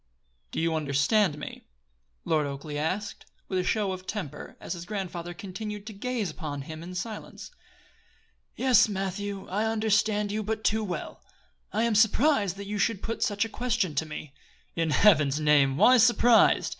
"Did you understand me?" Lord Oakleigh asked, with a show of temper, as his grandfather continued to gaze upon him in silence. "Yes, Matthew, I understood you but too well. I am surprised that you should put such a question to me." "In Heaven's name! why surprised?